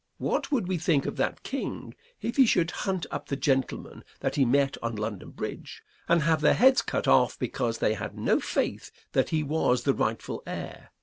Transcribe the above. What would we think of that King if he should hunt up the gentlemen that he met on London Bridge, and have their heads cut off because they had no faith that he was the rightful heir?